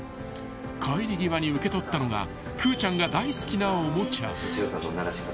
［帰り際に受け取ったのがくーちゃんが大好きなおもちゃ］